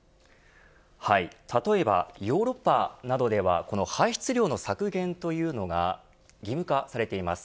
例えば、ヨーロッパなどではこの排出量の削減というのが義務化されています。